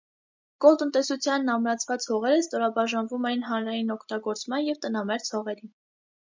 Կոլտնտեսությանն ամրացված հողերը ստորաբաժանվում էին հանրային օգտագործման և տնամերձ հողերի։